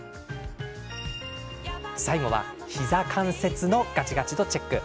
最後は膝関節のガチガチ度チェック。